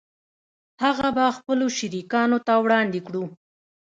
هغه به خپلو شریکانو ته وړاندې کړو